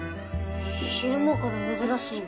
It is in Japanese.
昼間から珍しい。